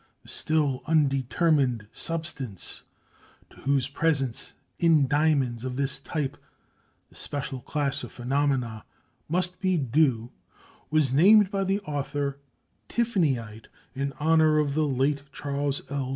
The still undetermined substance to whose presence in diamonds of this type the special class of phenomena must be due, was named by the author tiffanyite, in honor of the late Charles L.